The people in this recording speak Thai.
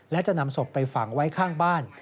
และจะนำศพไปฝังไว้ข้างบ้าน